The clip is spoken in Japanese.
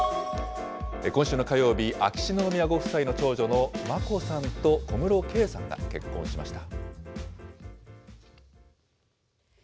今週の火曜日、秋篠宮ご夫妻の長女の眞子さんと小室圭さんが結婚しました。